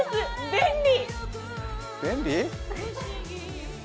便利！